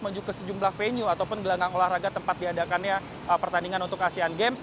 menuju ke sejumlah venue ataupun gelanggang olahraga tempat diadakannya pertandingan untuk asean games